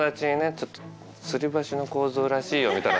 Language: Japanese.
ちょっと「つり橋の構造らしいよ」みたいな。